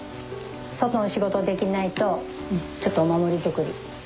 外の仕事できないとちょっとお守り作り。